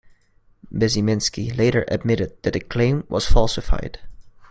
Bezymensky later admitted that the claim was falsified.